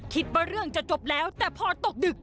คิดว่าเรื่องจะจบแล้วแต่พอตกดึก